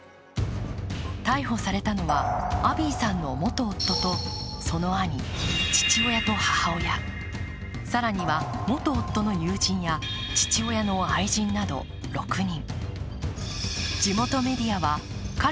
逮捕されたのはアビーさんの元夫とその兄、父親と母親、更には元夫の友人や父親の愛人など、６人。